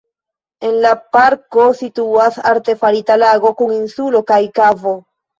En la parko situas artefarita lago kun insulo kaj kavo.